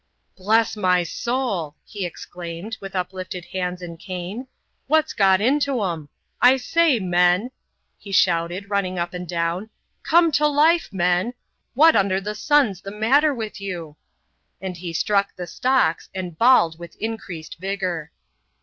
*^ Bless mj soul!" he excaimed, with uplifted hands and cane, " what's got into 'em ? I say, men"* — he shouted, run ning up and down — "come to life, men! what under the son's the matter with you?" and he struck the stocks, and bawled with increased vigour.